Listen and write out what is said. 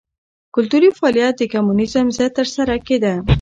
کلتوري فعالیت د کمونېزم ضد ترسره کېده.